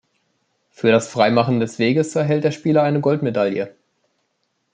Für das Freimachen des Weges erhält der Spieler eine Goldmedaille.